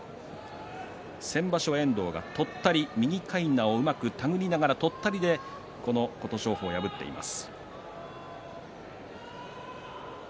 先場所は遠藤がとったり、右かいなをうまく手繰りながらとったりで琴勝峰を破っています。